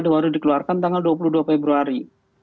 baru dikeluarkan tanggal dua puluh dua februari